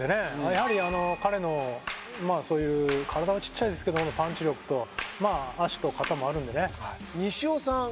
やはり彼の、体はちっちゃいですけどパンチ力と足と肩もあるんでね。